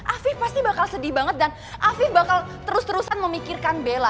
afif pasti bakal sedih banget dan afif bakal terus terusan memikirkan bella